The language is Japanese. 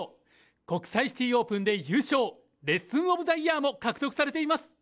国際シティオープンで優勝、レッスン・オブ・ザ・イヤーでも活躍されています。